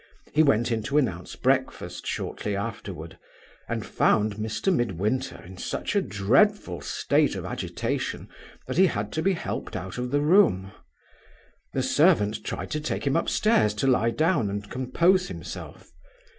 He went in to announce breakfast shortly afterward, and found Mr. Midwinter in such a dreadful state of agitation that he had to be helped out of the room. The servant tried to take him upstairs to lie down and compose himself.